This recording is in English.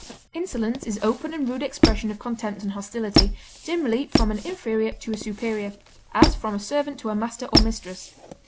Insolence is open and rude expression of contempt and hostility, generally from an inferior to a superior, as from a servant to a master or mistress.